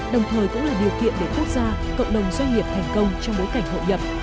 đồng thời cũng là điều kiện để quốc gia cộng đồng doanh nghiệp thành công trong bối cảnh hội nhập